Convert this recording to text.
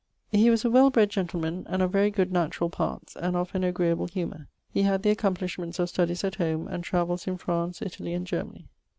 He was a well bred gentleman, and of very good naturall parts, and of an agreable humour. He had the accomplishments of studies at home, and travells in France, Italie, and Germanie.